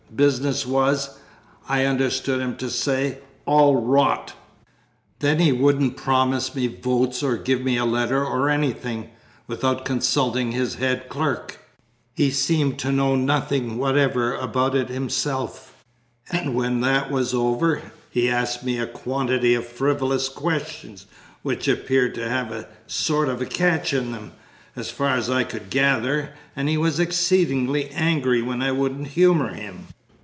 Business was, I understood him to say, 'all rot!'" "Then he wouldn't promise me votes or give me a letter or anything, without consulting his head clerk; he seemed to know nothing whatever about it himself, and when that was over, he asked me a quantity of frivolous questions which appeared to have a sort of catch in them, as far as I could gather, and he was exceedingly angry when I wouldn't humour him."